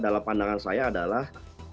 dalam pandangan saya adalah